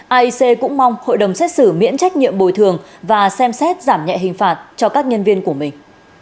aic cũng mong hội đồng xét xử miễn trách nhiệm bồi thường và xem xét giảm nhẹ hình phạt cho các nhân viên của mình